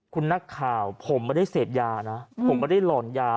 คุณนักข่าวผมไม่ได้เสพยานะผมไม่ได้หล่อนยา